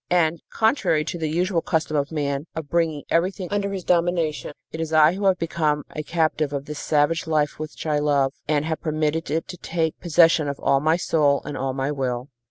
And, contrary to the usual custom of man of bringing everything under his domination, it is I who have become a captive of this savage life which I love, and have permitted it to take possession of all my soul and all my will."